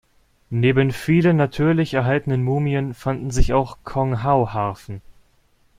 Neben vielen natürlich erhaltenen Mumien fanden sich auch Konghou-Harfen.